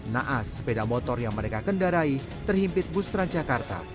naas sepeda motor yang mereka kendarai terhimpit bustrans jakarta